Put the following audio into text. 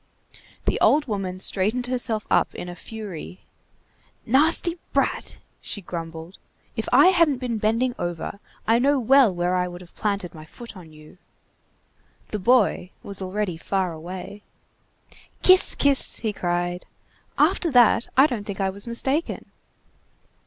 The old woman straightened herself up in a fury. "Nasty brat!" she grumbled. "If I hadn't been bending over, I know well where I would have planted my foot on you." The boy was already far away. "Kisss! kisss!" he cried. "After that, I don't think I was mistaken!"